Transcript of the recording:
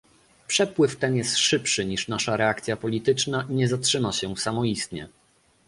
Przepływ ten jest szybszy niż nasza reakcja polityczna i nie zatrzyma się samoistnie